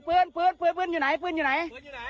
ปืนมึงอยู่ไหน